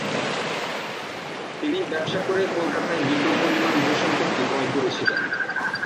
তিনি ব্যবসা করে কলকাতায় বিপুল পরিমাণ ভূ-সম্পত্তি ক্রয় করেছিলেন।